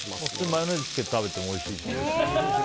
マヨネーズつけて食べてもおいしいよね。